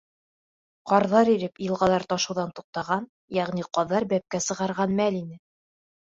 Ҡарҙар иреп, йылғалар ташыуҙан туҡтаған, йәғни ҡаҙҙар бәпкә сығарған мәл ине.